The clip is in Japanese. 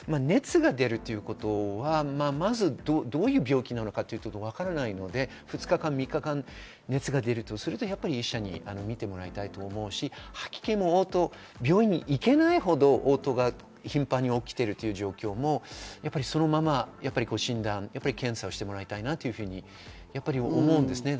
熱が出るということはまずどういう病気なのかということがわからないので２日間、３日間熱が出るとすると、医者に診てもらいたいと思うし、吐き気もおう吐も病院に行けないほどおう吐が頻繁に起きているという状況も、そのまま診断、検査をしてもらいたいなと思います。